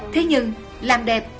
thế nhưng làm đẹp